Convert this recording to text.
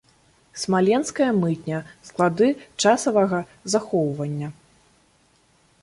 Смаленская мытня, склады часавага захоўвання.